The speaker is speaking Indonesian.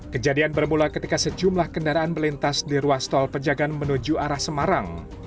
kejadian bermula ketika sejumlah kendaraan melintas di ruas tol pejagaan menuju arah semarang